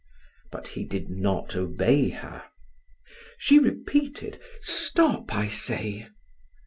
But he did not obey her. She repeated: "Stop, I say!"